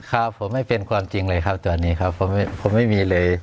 ครับผมไม่เป็นความจริงเลยครับตอนนี้ครับผมไม่มีเลย